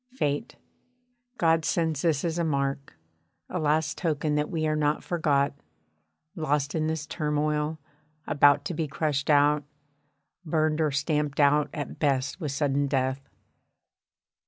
Fate God sends this as a mark, a last token that we are not forgot, lost in this turmoil, about to be crushed out, burned or stamped out at best with sudden death.